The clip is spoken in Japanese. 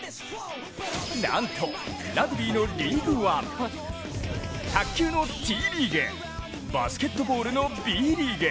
なんとラグビーのＬＥＡＧＵＥＯＮＥ、卓球のＴリーグバスケットボールのＢリーグ